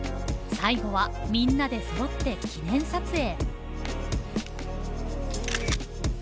最後はみんなでそろって記念撮影。